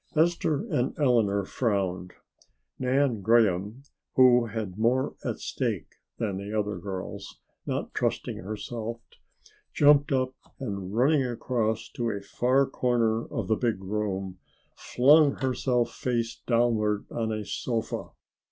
Esther and Eleanor frowned. Nan Graham, who had more at stake than the other girls, not trusting herself, jumped up and running across to a far corner of the big room flung herself face downward on a sofa.